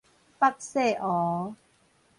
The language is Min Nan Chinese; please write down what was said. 北勢湖